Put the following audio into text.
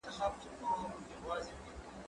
زه به اوږده موده بازار ته تللی وم!؟